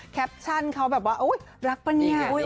แคปชั่นเขาแบบว่าอุ๊ยรักป่ะเนี่ย